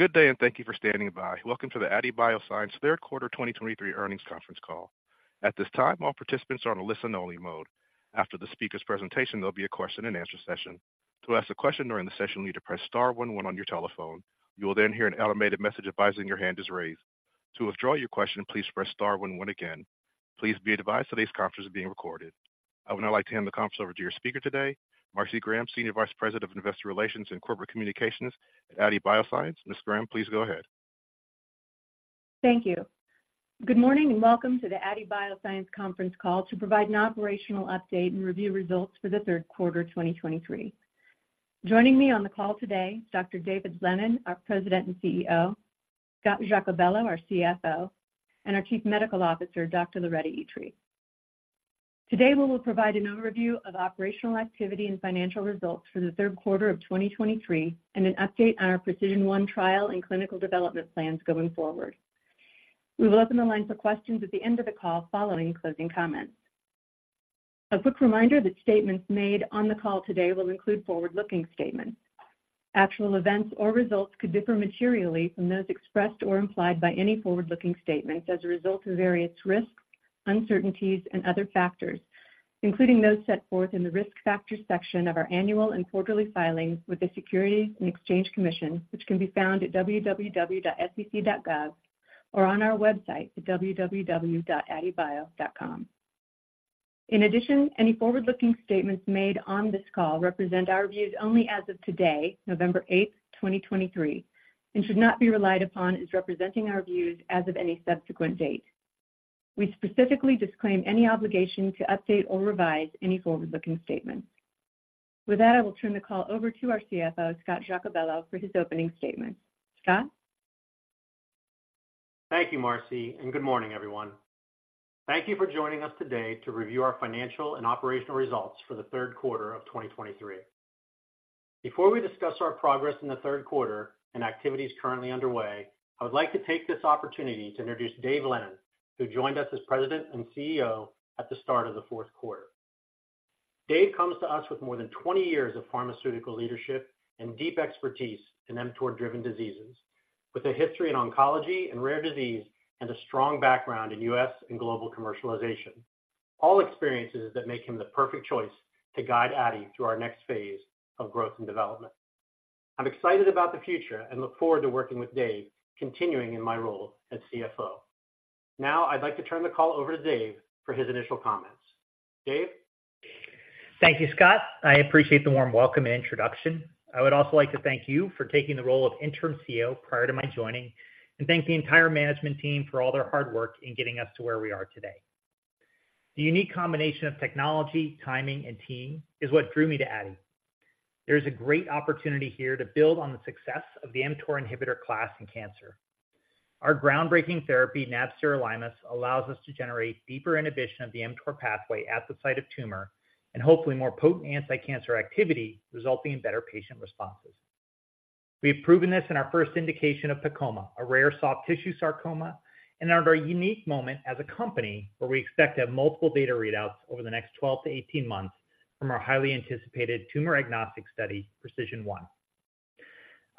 Good day, and thank you for standing by. Welcome to the Aadi Bioscience Third Quarter 2023 Earnings Conference Call. At this time, all participants are on a listen-only mode. After the speakers' presentation, there'll be a question-and-answer session. To ask a question during the session, you need to press star one one on your telephone. You will then hear an automated message advising your hand is raised. To withdraw your question, please press star one one again. Please be advised that this conference is being recorded. I would now like to hand the conference over to your speaker today, Marcy Graham, Senior Vice President of Investor Relations and Corporate Communications at Aadi Bioscience. Ms. Graham, please go ahead. Thank you. Good morning, and welcome to the Aadi Bioscience conference call to provide an operational update and review results for the third quarter 2023. Joining me on the call today, Dr. Dave Lennon, our President and CEO, Scott Giacobello, our CFO, and our Chief Medical Officer, Dr. Loretta Itri. Today, we will provide an overview of operational activity and financial results for the third quarter of 2023 and an update on our PRECISION-1 trial and clinical development plans going forward. We will open the line for questions at the end of the call, following closing comments. A quick reminder that statements made on the call today will include forward-looking statements. Actual events or results could differ materially from those expressed or implied by any forward-looking statements as a result of various risks, uncertainties, and other factors, including those set forth in the Risk Factors section of our annual and quarterly filings with the Securities and Exchange Commission, which can be found at www.sec.gov or on our website at www.aadibio.com. In addition, any forward-looking statements made on this call represent our views only as of today, November 8, 2023, and should not be relied upon as representing our views as of any subsequent date. We specifically disclaim any obligation to update or revise any forward-looking statements. With that, I will turn the call over to our CFO, Scott Giacobello, for his opening statement. Scott? Thank you, Marcy, and good morning, everyone. Thank you for joining us today to review our financial and operational results for the third quarter of 2023. Before we discuss our progress in the third quarter and activities currently underway, I would like to take this opportunity to introduce Dave Lennon, who joined us as President and CEO at the start of the fourth quarter. Dave comes to us with more than 20 years of pharmaceutical leadership and deep expertise in mTOR-driven diseases, with a history in oncology and rare disease, and a strong background in U.S. and global commercialization. All experiences that make him the perfect choice to guide Aadi through our next phase of growth and development. I'm excited about the future and look forward to working with Dave, continuing in my role as CFO. Now, I'd like to turn the call over to Dave for his initial comments. Dave? Thank you, Scott. I appreciate the warm welcome and introduction. I would also like to thank you for taking the role of interim CEO prior to my joining, and thank the entire management team for all their hard work in getting us to where we are today. The unique combination of technology, timing, and team is what drew me to Aadi. There is a great opportunity here to build on the success of the mTOR inhibitor class in cancer. Our groundbreaking therapy, nab-sirolimus, allows us to generate deeper inhibition of the mTOR pathway at the site of tumor and hopefully more potent anticancer activity, resulting in better patient responses. We've proven this in our first indication of sarcoma, a rare soft tissue sarcoma, and are at a unique moment as a company where we expect to have multiple data readouts over the next 12-18 months from our highly anticipated tumor-agnostic study, PRECISION-1.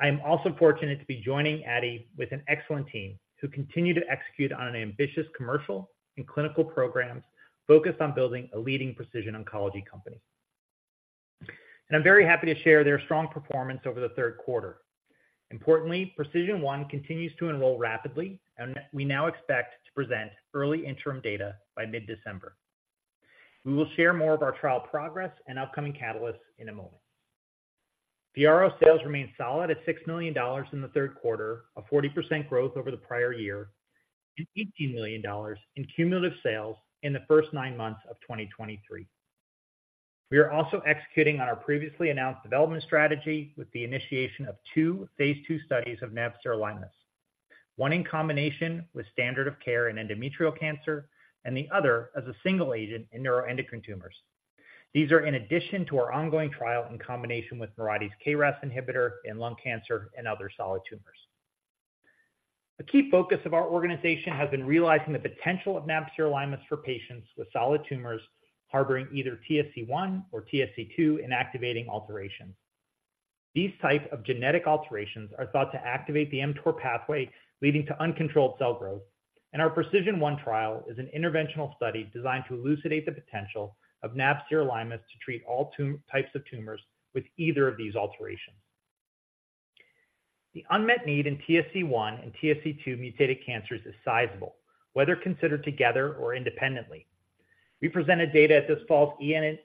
I am also fortunate to be joining Aadi with an excellent team who continue to execute on an ambitious commercial and clinical programs focused on building a leading precision oncology company. And I'm very happy to share their strong performance over the third quarter. Importantly, PRECISION-1 continues to enroll rapidly, and we now expect to present early interim data by mid-December. We will share more of our trial progress and upcoming catalysts in a moment. FYARRO sales remained solid at $6 million in the third quarter, a 40% growth over the prior year, and $18 million in cumulative sales in the first nine months of 2023. We are also executing on our previously announced development strategy with the initiation of 2 phase 2 studies of nab-sirolimus. One in combination with standard of care in endometrial cancer, and the other as a single agent in neuroendocrine tumors. These are in addition to our ongoing trial in combination with Mirati's KRAS inhibitor in lung cancer and other solid tumors. A key focus of our organization has been realizing the potential of nab-sirolimus for patients with solid tumors harboring either TSC1 or TSC2 inactivating alterations. These type of genetic alterations are thought to activate the mTOR pathway, leading to uncontrolled cell growth, and our PRECISION-1 trial is an interventional study designed to elucidate the potential of nab-sirolimus to treat all types of tumors with either of these alterations. The unmet need in TSC1 and TSC2 mutated cancers is sizable, whether considered together or independently. We presented data at this fall's ENA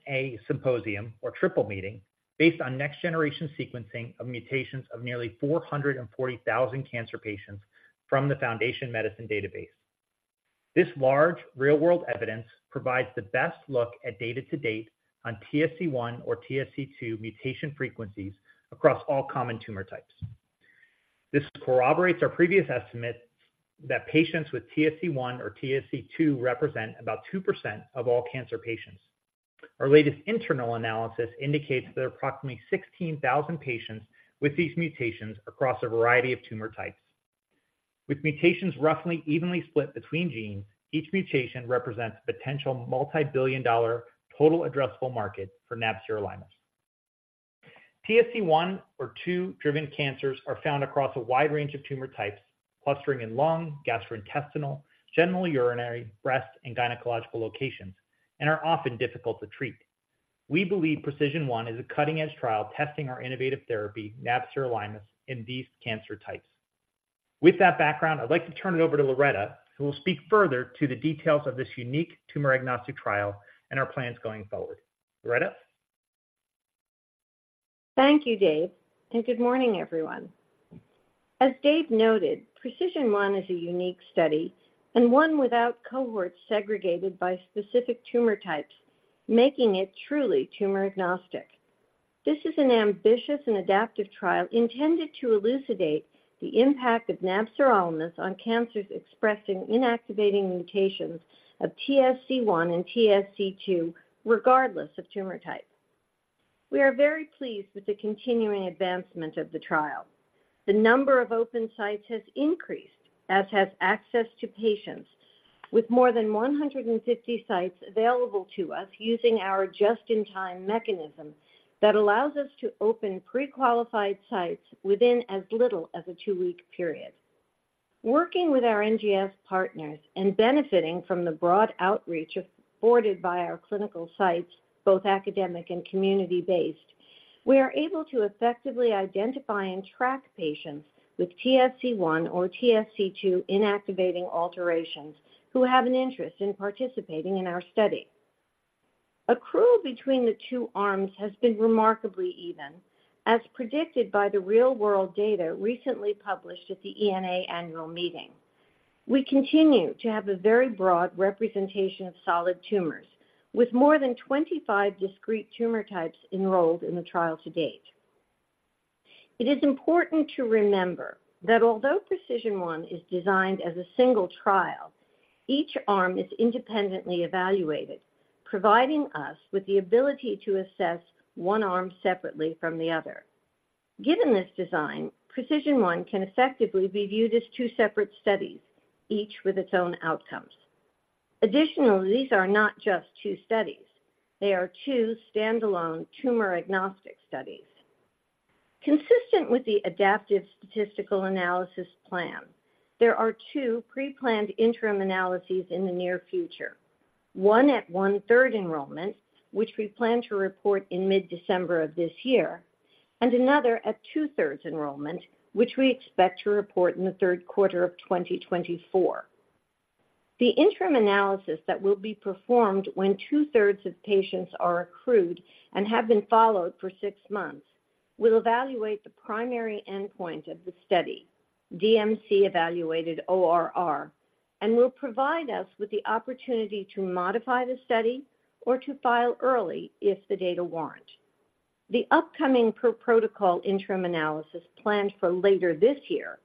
symposium, or Triple Meeting, based on next-generation sequencing of mutations of nearly 440,000 cancer patients from the Foundation Medicine database. This large real-world evidence provides the best look at data to date on TSC1 or TSC2 mutation frequencies across all common tumor types. This corroborates our previous estimate that patients with TSC1 or TSC2 represent about 2% of all cancer patients. Our latest internal analysis indicates that approximately 16,000 patients with these mutations across a variety of tumor types. With mutations roughly evenly split between genes, each mutation represents potential multibillion-dollar total addressable market for nab-sirolimus. TSC1 or TSC2-driven cancers are found across a wide range of tumor types, clustering in lung, gastrointestinal, genitourinary, breast, and gynecological locations, and are often difficult to treat. We believe PRECISION-1 is a cutting-edge trial testing our innovative therapy, nab-sirolimus, in these cancer types. With that background, I'd like to turn it over to Loretta, who will speak further to the details of this unique tumor-agnostic trial and our plans going forward. Loretta? Thank you, Dave, and good morning, everyone. As Dave noted, PRECISION-1 is a unique study and one without cohorts segregated by specific tumor types, making it truly tumor agnostic. This is an ambitious and adaptive trial intended to elucidate the impact of nab-sirolimus on cancers expressing inactivating mutations of TSC1 and TSC2, regardless of tumor type. We are very pleased with the continuing advancement of the trial. The number of open sites has increased, as has access to patients, with more than 150 sites available to us using our just-in-time mechanism that allows us to open pre-qualified sites within as little as a two-week period. Working with our NGS partners and benefiting from the broad outreach afforded by our clinical sites, both academic and community-based, we are able to effectively identify and track patients with TSC1 or TSC2 inactivating alterations who have an interest in participating in our study. Accrual between the two arms has been remarkably even, as predicted by the real-world data recently published at the ENA annual meeting. We continue to have a very broad representation of solid tumors, with more than 25 discrete tumor types enrolled in the trial to date. It is important to remember that although PRECISION-1 is designed as a single trial, each arm is independently evaluated, providing us with the ability to assess one arm separately from the other. Given this design, PRECISION-1 can effectively be viewed as two separate studies, each with its own outcomes. Additionally, these are not just two studies, they are two standalone tumor-agnostic studies. Consistent with the adaptive statistical analysis plan, there are two pre-planned interim analyses in the near future. One at 1/3 enrollment, which we plan to report in mid-December of this year, and another at 2/3 enrollment, which we expect to report in the third quarter of 2024. The interim analysis that will be performed when two-thirds of patients are accrued and have been followed for six months, will evaluate the primary endpoint of the study, DMC-evaluated ORR, and will provide us with the opportunity to modify the study or to file early if the data warrant. The upcoming per-protocol interim analysis planned for later this year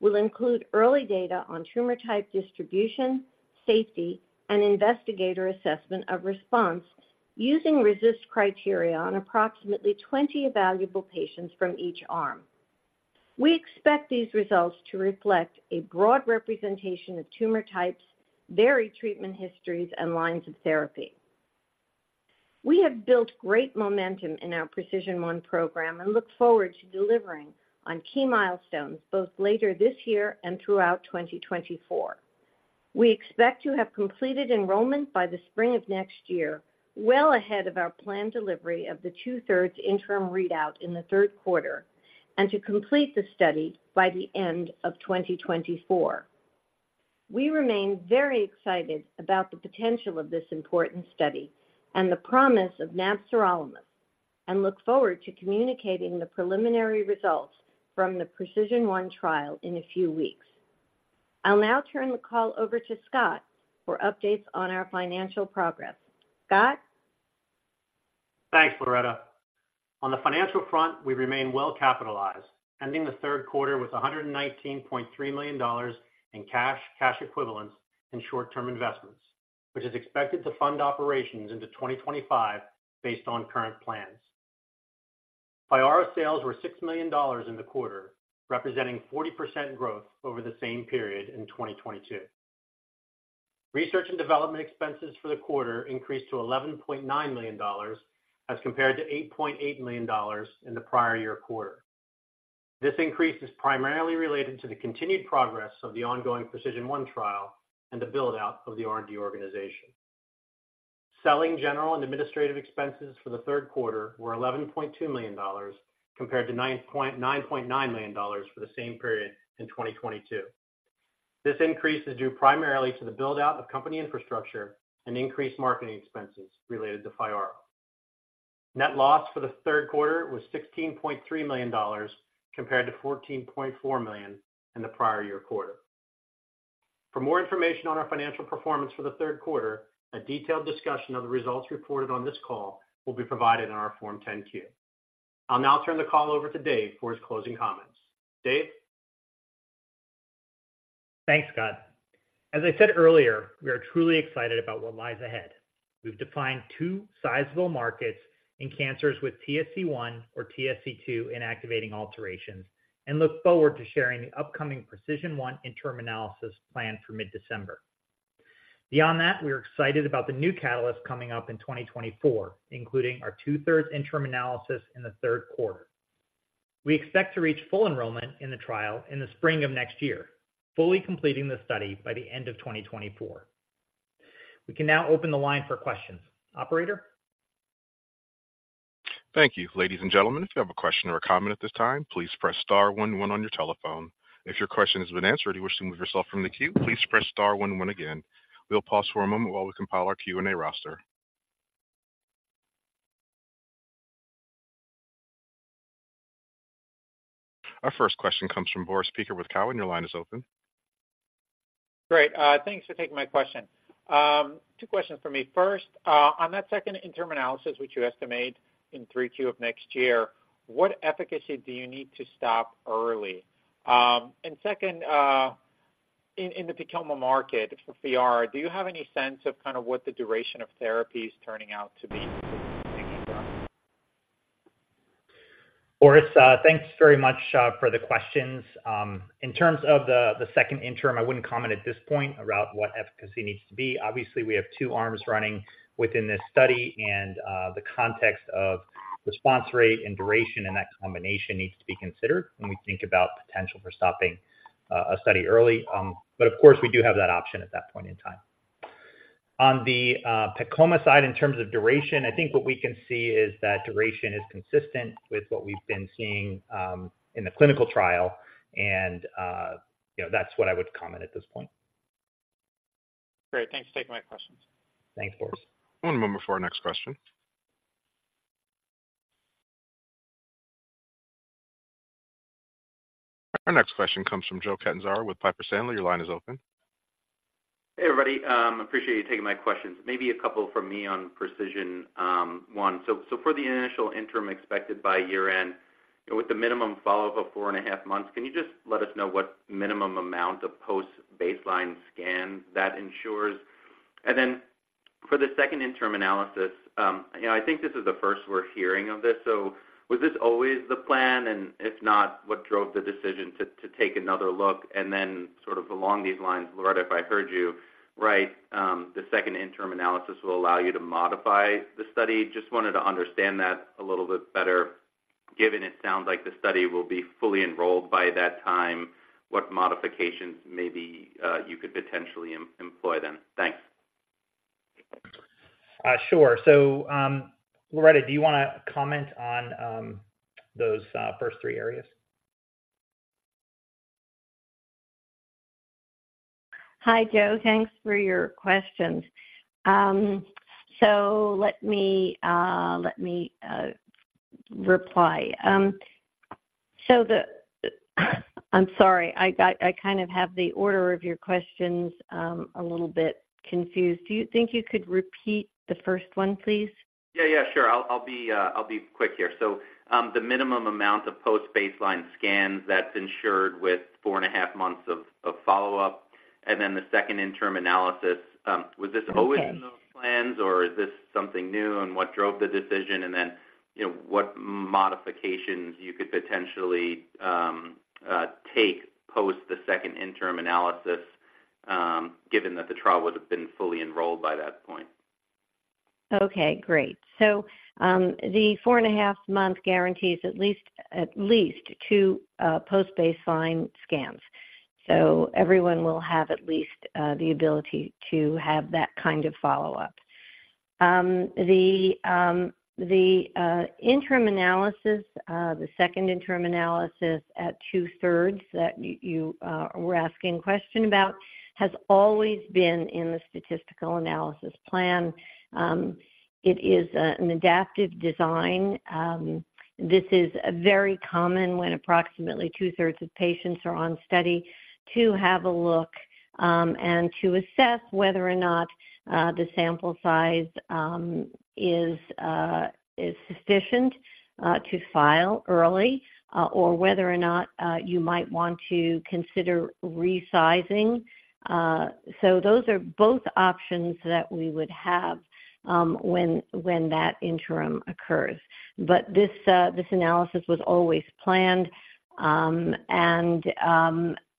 will include early data on tumor type distribution, safety, and investigator assessment of response using RECIST criteria on approximately 20 evaluable patients from each arm. We expect these results to reflect a broad representation of tumor types, varied treatment histories, and lines of therapy. We have built great momentum in our PRECISION-1 program and look forward to delivering on key milestones both later this year and throughout 2024. We expect to have completed enrollment by the spring of next year, well ahead of our planned delivery of the 2/3 interim readout in the third quarter, and to complete the study by the end of 2024. We remain very excited about the potential of this important study and the promise of nab-sirolimus, and look forward to communicating the preliminary results from the PRECISION-1 trial in a few weeks. I'll now turn the call over to Scott for updates on our financial progress. Scott? Thanks, Loretta. On the financial front, we remain well capitalized, ending the third quarter with $119.3 million in cash, cash equivalents, and short-term investments, which is expected to fund operations into 2025 based on current plans. FYARRO sales were $60 million in the quarter, representing 40% growth over the same period in 2022. Research and development expenses for the quarter increased to $11.9 million as compared to $8.8 million in the prior year quarter. This increase is primarily related to the continued progress of the ongoing PRECISION-1 trial and the build-out of the R&D organization. Selling, general, and administrative expenses for the third quarter were $11.2 million, compared to $9.9 million for the same period in 2022. This increase is due primarily to the build-out of company infrastructure and increased marketing expenses related to FYARRO. Net loss for the third quarter was $16.3 million, compared to $14.4 million in the prior year quarter. For more information on our financial performance for the third quarter, a detailed discussion of the results reported on this call will be provided in our Form 10-Q. I'll now turn the call over to Dave for his closing comments. Dave? Thanks, Scott. As I said earlier, we are truly excited about what lies ahead. We've defined two sizable markets in cancers with TSC1 or TSC2 inactivating alterations and look forward to sharing the upcoming PRECISION-1 interim analysis planned for mid-December. Beyond that, we are excited about the new catalyst coming up in 2024, including our two-thirds interim analysis in the third quarter. We expect to reach full enrollment in the trial in the spring of next year, fully completing the study by the end of 2024. We can now open the line for questions. Operator? Thank you. Ladies and gentlemen, if you have a question or a comment at this time, please press star one one on your telephone. If your question has been answered or you wish to move yourself from the queue, please press star one one again. We'll pause for a moment while we compile our Q&A roster. Our first question comes from Boris Peaker with Cowen. Your line is open. Great. Thanks for taking my question. Two questions for me. First, on that second interim analysis, which you estimate in 3Q of next year, what efficacy do you need to stop early? And second, in, in the PEComa market for PR, do you have any sense of kind of what the duration of therapy is turning out to be thinking about? Boris, thanks very much for the questions. In terms of the second interim, I wouldn't comment at this point about what efficacy needs to be. Obviously, we have two arms running within this study and, the context of response rate and duration, and that combination needs to be considered when we think about potential for stopping, a study early. But of course, we do have that option at that point in time. On the, PEComa side, in terms of duration, I think what we can see is that duration is consistent with what we've been seeing, in the clinical trial, and, you know, that's what I would comment at this point. Great. Thanks for taking my questions. Thanks, Boris. One moment before our next question. Our next question comes from Joe Catanzaro with Piper Sandler. Your line is open. Hey, everybody, appreciate you taking my questions. Maybe a couple from me on PRECISION-1. So for the initial interim expected by year-end, with the minimum follow-up of 4.5 months, can you just let us know what minimum amount of post-baseline scans that ensures? And then for the second interim analysis, you know, I think this is the first we're hearing of this. So was this always the plan? And if not, what drove the decision to take another look? And then, sort of along these lines, Loretta, if I heard you right, the second interim analysis will allow you to modify the study. Just wanted to understand that a little bit better, given it sounds like the study will be fully enrolled by that time. What modifications maybe you could potentially employ then? Thanks. Sure. So, Loretta, do you want to comment on those first three areas? Hi, Joe. Thanks for your questions. So let me reply. I'm sorry. I got-- I kind of have the order of your questions a little bit confused. Do you think you could repeat the first one, please? Yeah, yeah, sure. I'll be quick here. So, the minimum amount of post-baseline scans that's ensured with 4.5 months of follow-up, and then the second interim analysis. Was this always in those plans, or is this something new, and what drove the decision? And then, you know, what modifications you could potentially take post the second interim analysis, given that the trial would have been fully enrolled by that point? Okay, great. So, the 4.5-month guarantees at least, at least two, post-baseline scans. So everyone will have at least, the ability to have that kind of follow-up. The interim analysis, the second interim analysis at 2/3 that you were asking a question about, has always been in the statistical analysis plan. It is an adaptive design. This is very common when approximately 2/3 of patients are on study to have a look, and to assess whether or not the sample size is sufficient to file early, or whether or not you might want to consider resizing. So those are both options that we would have when that interim occurs. But this analysis was always planned, and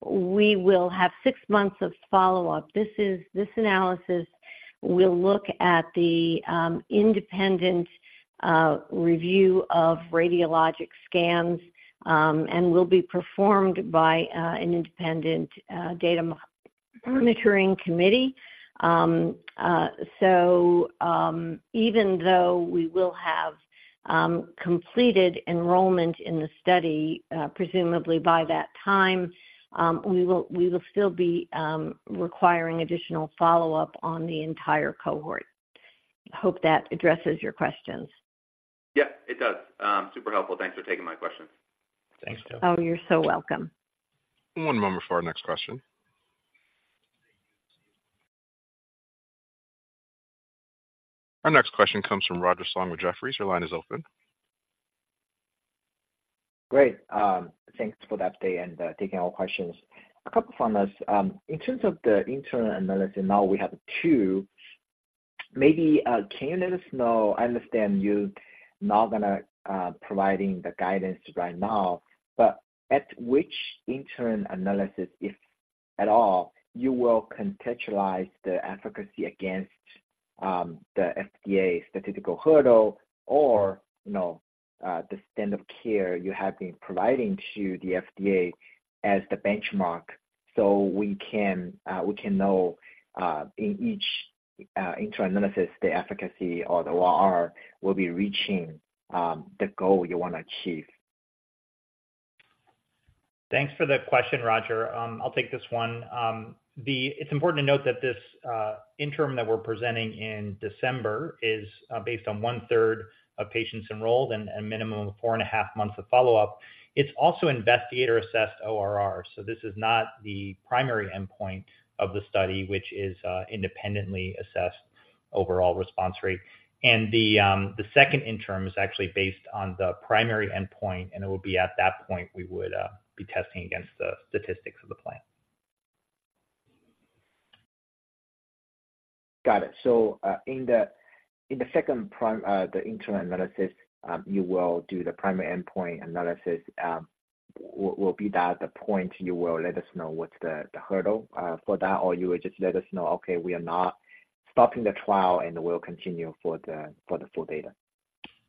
we will have six months of follow-up. This analysis will look at the independent review of radiologic scans, and will be performed by an independent data monitoring committee. So, even though we will have completed enrollment in the study, presumably by that time, we will still be requiring additional follow-up on the entire cohort. I hope that addresses your questions. Yeah, it does. Super helpful. Thanks for taking my questions. Thanks, Joe. Oh, you're so welcome. One moment for our next question. Our next question comes from Roger Song with Jefferies. Your line is open. Great. Thanks for the update and taking our questions. A couple from us. In terms of the interim analysis, now we have two. Maybe can you let us know—I understand you're not gonna providing the guidance right now, but at which interim analysis, if at all, you will contextualize the efficacy against the FDA statistical hurdle or, you know, the standard of care you have been providing to the FDA as the benchmark, so we can know in each interim analysis, the efficacy or the ORR will be reaching the goal you want to achieve? Thanks for the question, Roger. I'll take this one. It's important to note that this interim that we're presenting in December is based on 1/3 of patients enrolled and a minimum of four and a half months of follow-up. It's also investigator-assessed ORR, so this is not the primary endpoint of the study, which is independently assessed overall response rate. The second interim is actually based on the primary endpoint, and it will be at that point we would be testing against the statistics of the plan. Got it. So, in the second prime, the interim analysis, you will do the primary endpoint analysis. Will that be the point you will let us know what's the hurdle for that? Or you will just let us know, "Okay, we are not stopping the trial, and we'll continue for the full data.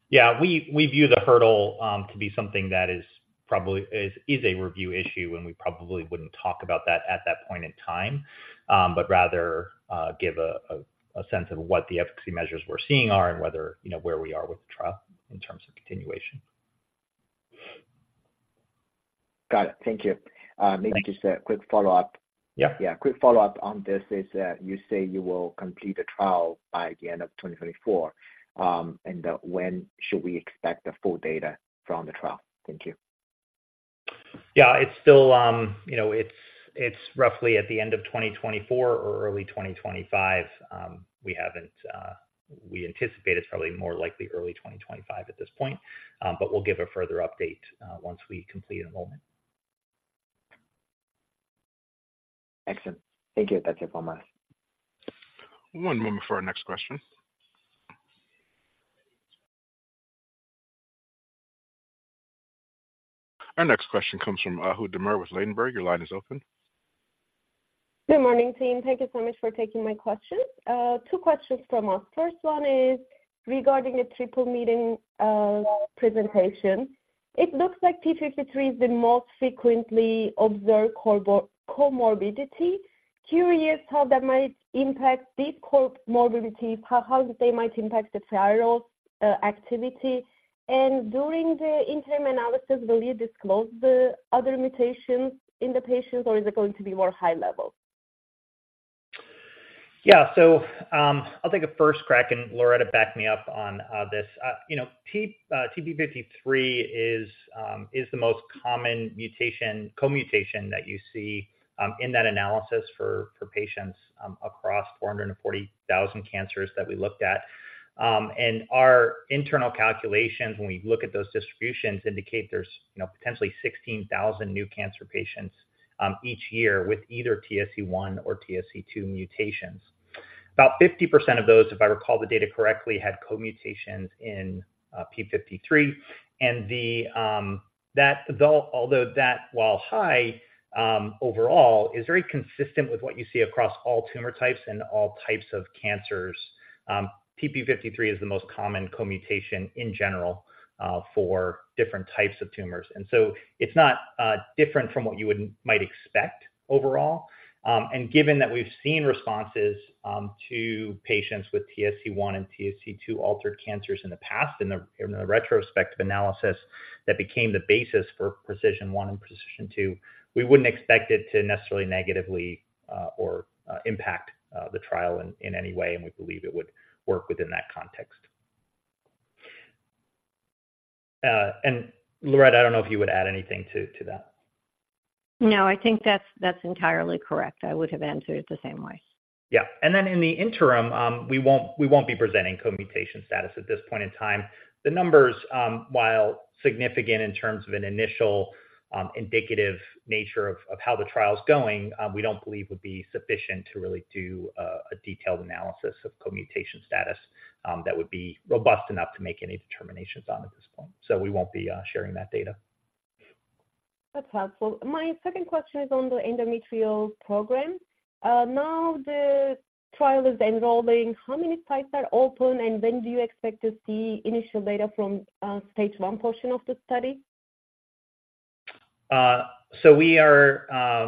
Yeah, we view the hurdle to be something that is probably a review issue, and we probably wouldn't talk about that at that point in time. But rather, give a sense of what the efficacy measures we're seeing are and whether, you know, where we are with the trial in terms of continuation. Got it. Thank you. Thanks. Maybe just a quick follow-up. Yeah. Yeah, a quick follow-up on this is, you say you will complete the trial by the end of 2024. And, when should we expect the full data from the trial? Thank you. Yeah, it's still, you know, it's roughly at the end of 2024 or early 2025. We haven't-- We anticipate it's probably more likely early 2025 at this point, but we'll give a further update once we complete enrollment. Excellent. Thank you. That's it from us. One moment for our next question. Our next question comes from Ahu Demir with Ladenburg. Your line is open. Good morning, team. Thank you so much for taking my questions. Two questions from us. First one is regarding a Triple Meeting presentation. It looks like TP53 is the most frequently observed co-mutation. Curious how that might impact these co-mutations, how they might impact the trial activity? And during the interim analysis, will you disclose the other mutations in the patients, or is it going to be more high level? Yeah. So, I'll take a first crack, and Loretta back me up on this. You know, TP53 is the most common mutation, co-mutation that you see in that analysis for patients across 440,000 cancers that we looked at. And our internal calculations, when we look at those distributions, indicate there's, you know, potentially 16,000 new cancer patients each year with either TSC1 or TSC2 mutations. About 50% of those, if I recall the data correctly, had co-mutations in TP53. And that although, although that, while high, overall, is very consistent with what you see across all tumor types and all types of cancers, TP53 is the most common co-mutation in general for different types of tumors. And so it's not different from what you would might expect overall. And given that we've seen responses to patients with TSC1 and TSC2 altered cancers in the past, in the retrospective analysis that became the basis for PRECISION-1 and PRECISION-2, we wouldn't expect it to necessarily negatively or impact the trial in any way, and we believe it would work within that context. And Loretta, I don't know if you would add anything to that. No, I think that's, that's entirely correct. I would have answered it the same way. Yeah. And then in the interim, we won't, we won't be presenting co-mutation status at this point in time. The numbers, while significant in terms of an initial, indicative nature of how the trial is going, we don't believe would be sufficient to really do a detailed analysis of co-mutation status, that would be robust enough to make any determinations on at this point. So we won't be sharing that data. That's helpful. My second question is on the endometrial program. Now, the trial is enrolling, how many sites are open, and when do you expect to see initial data from stage one portion of the study? So we are--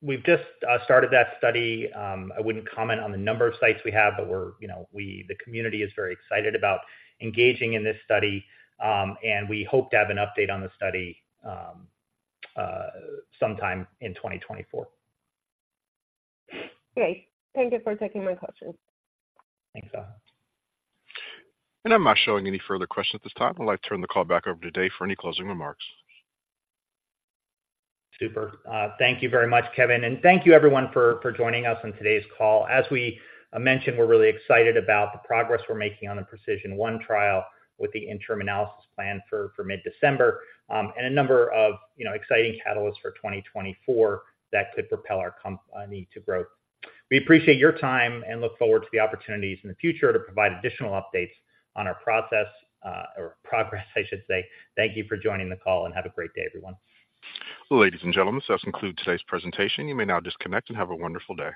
we've just started that study. I wouldn't comment on the number of sites we have, but we're, you know, the community is very excited about engaging in this study. And we hope to have an update on the study, sometime in 2024. Great. Thank you for taking my questions. Thanks, Ahu. I'm not showing any further questions at this time. I'd like to turn the call back over to Dave for any closing remarks. Super. Thank you very much, Kevin, and thank you everyone for joining us on today's call. As we mentioned, we're really excited about the progress we're making on the PRECISION-1 trial with the interim analysis plan for mid-December, and a number of, you know, exciting catalysts for 2024 that could propel our company to growth. We appreciate your time and look forward to the opportunities in the future to provide additional updates on our process, or progress, I should say. Thank you for joining the call, and have a great day, everyone. Ladies and gentlemen, this does conclude today's presentation. You may now disconnect and have a wonderful day.